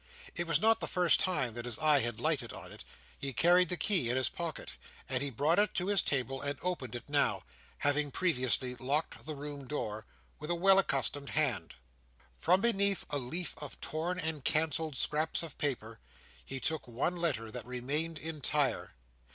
It was not the first time that his eye had lighted on it He carried the key in his pocket; and he brought it to his table and opened it now—having previously locked the room door—with a well accustomed hand. From beneath a leaf of torn and cancelled scraps of paper, he took one letter that remained entire.